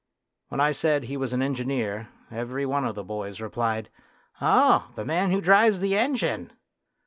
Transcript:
When I said he was an engineer every one of the boys replied, " Oh ! the man who drives the engine."